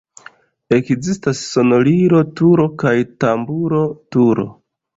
Ekzistas sonorilo-turo kaj tamburo-turo.